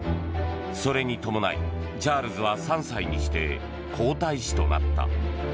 それに伴いチャールズは３歳にして皇太子となった。